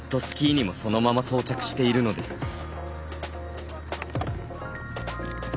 スキーにもそのまま装着しているのです。